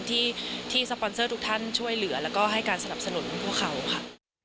ที่ช่วยเหลือแล้วก็ให้การสนับสนุนของพวกเขาค่ะ